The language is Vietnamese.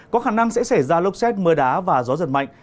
có khả năng sẽ xảy ra lốc xét mưa đá và gió giật mạnh